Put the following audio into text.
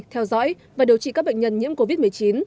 theo dõi và điều trị các bệnh nhân nhiễm covid một mươi chín